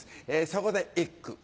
そこで一句。